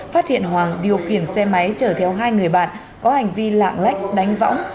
phát hiện hoàng điều khiển xe máy chở theo hai người bạn có hành vi lạng lách đánh võng